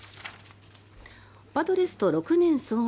パドレスと６年総額